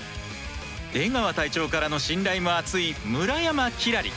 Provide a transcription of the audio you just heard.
出川隊長からの信頼も厚い村山輝星。